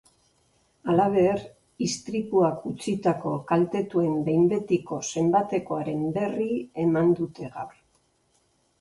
Halaber, istripuak utzitako kaltetuen behin betiko zenbatekoaren berri eman dute gaur.